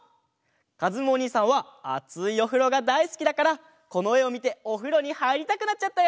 かずむおにいさんはあついおふろがだいすきだからこのえをみておふろにはいりたくなっちゃったよ！